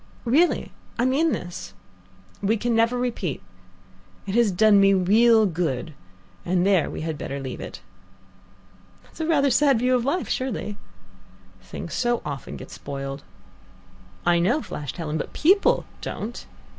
Really. I mean this. We can never repeat. It has done me real good, and there we had better leave it." "That's rather a sad view of life, surely." "Things so often get spoiled." "I know," flashed Helen, "but people don't."